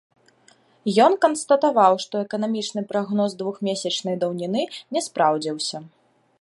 Ён канстатаваў, што эканамічны прагноз двухмесячнай даўніны не спраўдзіўся.